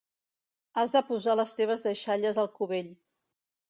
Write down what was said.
Has de posar les teves deixalles al cubell.